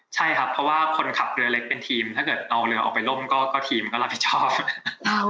ใช่ครับเพราะว่าคนขับเรือเล็กเป็นทีมถ้าเกิดเอาเรือออกไปล่มก็ทีมก็รับผิดชอบ